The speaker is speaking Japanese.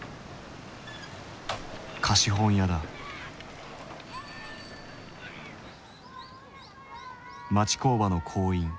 貸本屋だ町工場の工員。